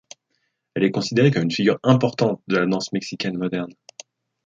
Elle est considérée comme une figure importante de la danse mexicaine moderne.